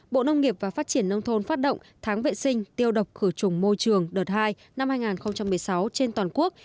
bộ nông nghiệp và phát triển nông thôn phát động tháng vệ sinh tiêu độc khử trùng môi trường đợt hai năm hai nghìn một mươi sáu trên toàn quốc